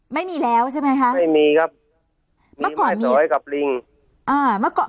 ไม่มีแล้วใช่ไหมคะไม่มีครับไม่มีไม่สอยกับลิงอ่า